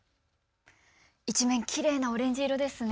一面、きれいなオレンジ色ですね。